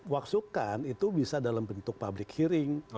waksukan itu bisa dalam bentuk public hearing